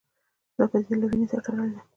دا پدیده له وینې سره تړلې ده